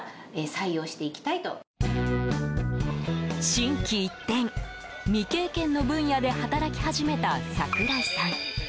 心機一転、未経験の分野で働き始めた櫻井さん。